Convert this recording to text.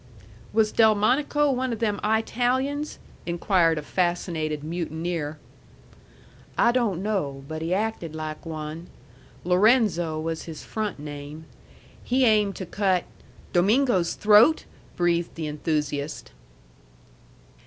"Was Delmonico one of them I talians?" inquired a fascinated mutineer. "I don't know. But he acted like one. Lorenzo was his front name. He aimed to cut " "Domingo's throat?" breathed the enthusiast.